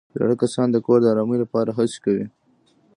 زاړه کسان د کور د ارامۍ لپاره هڅې کوي